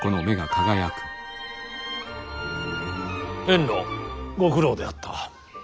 遠路ご苦労であった。